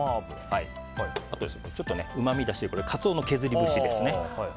あとはうまみ出しにカツオの削り節ですね。